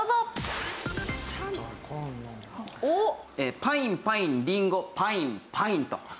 パインパインりんごパインパインと。